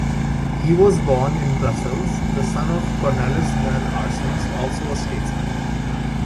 He was born in Brussels, the son of Cornelis van Aarsens, also a statesman.